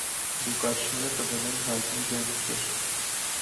Լուկաչները տվել են հայտնի դեմքեր։